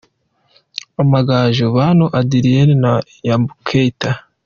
Amagaju: Bantu Adrien na Yumba Kaite.